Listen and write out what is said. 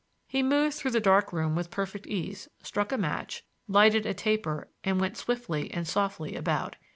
He moved through the dark room with perfect ease, struck a match, lighted a taper and went swiftly and softly about.